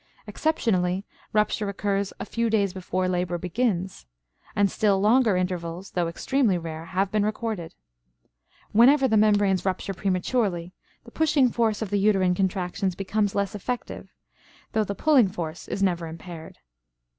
Exceptionally, rupture occurs a few days before labor begins; and still longer intervals, though extremely rare, have been recorded. Whenever the membranes rupture prematurely, the pushing force of the uterine contractions becomes less effective, though the pulling force is never impaired.